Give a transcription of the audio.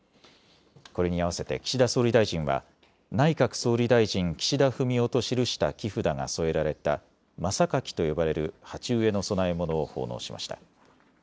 これに合わせて岸田総理大臣は内閣総理大臣岸田文雄と記した木札が添えられた真榊と呼ばれる鉢植えの供え物を奉納しました。